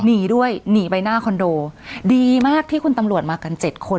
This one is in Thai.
หนีด้วยหนีไปหน้าคอนโดดีมากที่คุณตำรวจมากันเจ็ดคน